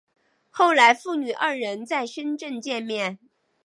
后来父女二人在深圳见面。